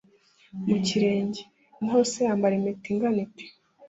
mu kirenge ? naho se yambara impeta ingana ite ?